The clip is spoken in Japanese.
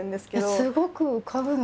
すごく浮かぶの。